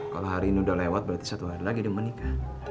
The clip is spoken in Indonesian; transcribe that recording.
kalo hari ini udah lewat berarti satu hari lagi dia mau nikah